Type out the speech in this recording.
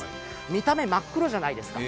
見た目、真っ黒じゃないですか。